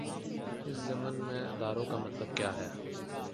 اس ضمن میں اداروں کا مطلب کیا ہے؟